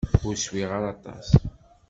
Ur swiɣ ara aṭas.